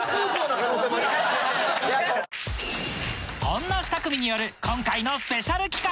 そんな２組による今回のスペシャル企画